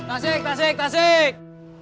tasik tasik tasik